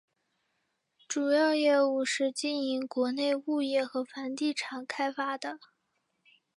主要业务是经营国内物业和房地产开发的。